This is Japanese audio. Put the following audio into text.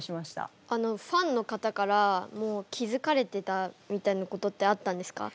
ファンの方から気付かれてたみたいなことってあったんですか？